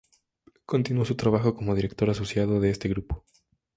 Continuó su trabajo como Director Asociado de este grupo.